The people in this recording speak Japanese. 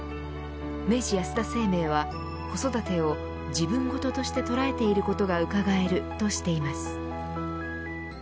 明治安田生命は子育てを自分ごととして捉えていることがうかがえるとしています。